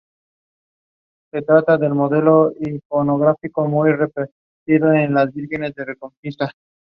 Era el único operador de televisión en Trinidad y Tobago.